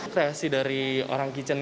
kreasi dari orang kitchen